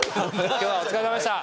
今日はお疲れさまでした。